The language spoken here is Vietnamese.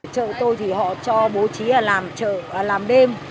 trợ tôi thì họ cho bố trí làm đêm